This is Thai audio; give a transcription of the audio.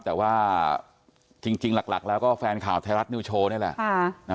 แต่ว่าจริงหลักแล้วก็แฟนข่าวไทยรัฐนิวโชว์นี่แหละ